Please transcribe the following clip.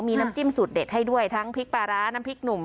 มีน้ำจิ้มสูตรเด็ดให้ด้วยทั้งพริกปลาร้าน้ำพริกหนุ่ม